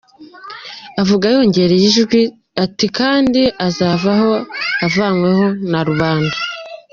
Avuga yongereye ijwi ati: kandi azavaho, avanyweho na rubanda.